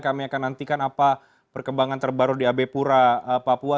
kami akan nantikan apa perkembangan terbaru di abe pura papua